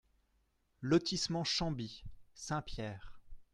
Lotissement Chamby, Saint-Pierre